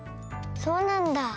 そうなんだ。